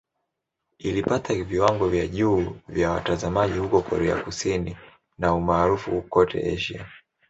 Ilipata viwango vya juu vya watazamaji huko Korea Kusini na umaarufu kote Asia.